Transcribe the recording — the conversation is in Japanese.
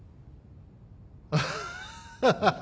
アハハハ！